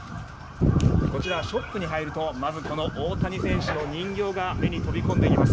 こちら、ショップに入るとまずこの大谷選手の人形が目に飛び込んできます。